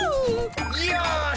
よし。